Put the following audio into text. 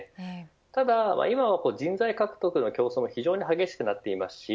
ただ、今は人材獲得の競争も非常に激しくなっています。